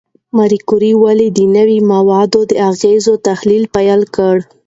ماري کوري ولې د نوې ماده د اغېزو تحلیل پیل کړ؟